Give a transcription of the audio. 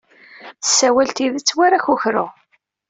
Tessawal tidet war akukru.